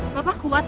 bapak kuat pak